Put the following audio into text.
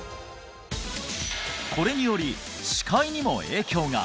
これにより視界にも影響が！